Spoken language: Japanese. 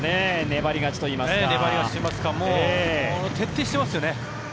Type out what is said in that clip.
粘り勝ちといいますか徹底してますよね。